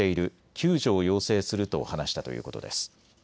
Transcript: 救助を要請すると話したということです。